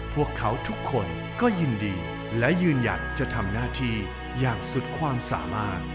พวกเขาทุกคนก็ยินดีและยืนยันจะทำหน้าที่อย่างสุดความสามารถ